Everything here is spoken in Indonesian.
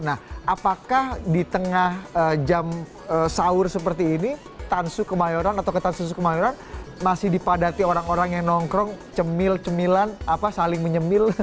nah apakah di tengah jam sahur seperti ini tansu kemayoran atau ketan susu kemayoran masih dipadati orang orang yang nongkrong cemil cemilan saling menyemil